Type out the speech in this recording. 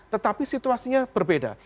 tetapi situasinya berbeda